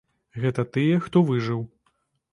Гэта тыя, хто выжыў.